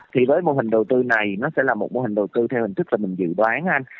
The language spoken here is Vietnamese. thì với mô hình đầu tư này nó sẽ là một mô hình đầu tư theo hình thức là mình dự đoán anh